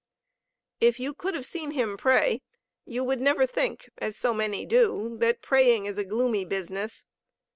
If you could have seen him pray, you would never think, as so many do, that praying is a gloomy business.